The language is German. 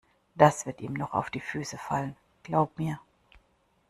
Das wird ihm noch auf die Füße fallen, glaub mir!